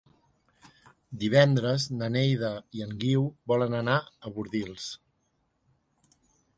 Divendres na Neida i en Guiu volen anar a Bordils.